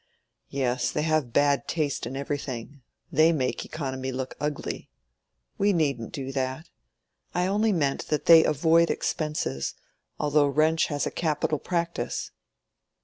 "Yes, they have bad taste in everything—they make economy look ugly. We needn't do that. I only meant that they avoid expenses, although Wrench has a capital practice."